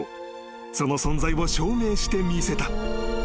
［その存在を証明してみせた］